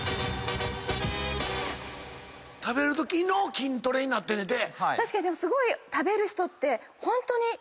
食べるときの筋トレになってんねんて。